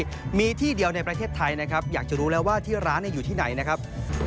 วันนี้มีที่เดียวในประเทศไทยนะครับอยากจะรู้แล้วว่าที่ร้านอยู่ที่ไหนนะครับ